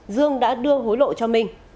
dương đã đưa hối lộ cho minh